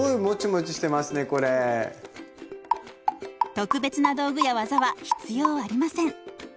特別な道具や技は必要ありません。